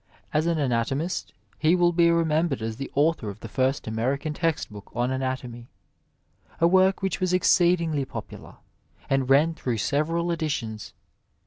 As an anat omist he will be remembered as the author of the first American Tezt Bo<^ on Anatomy, a work which was exceedingly popular, and ran through several editions.